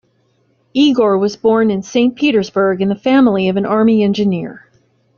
Igor was born in Saint Petersburg in the family of an army engineer.